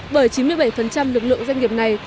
bởi chín mươi bảy lực lượng doanh nghiệp này